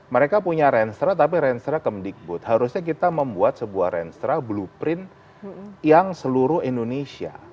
mereka punya renstra tapi renstra kemdikbud harusnya kita membuat sebuah renstra blueprint yang seluruh indonesia